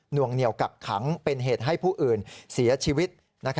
วงเหนียวกักขังเป็นเหตุให้ผู้อื่นเสียชีวิต